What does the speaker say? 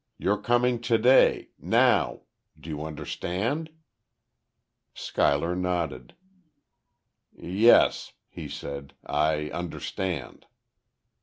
You're coming today now! Do you understand?" Schuyler nodded. "Yes," he said. "I understand."